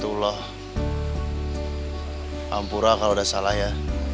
jangan sempurna kalau sudah salah ya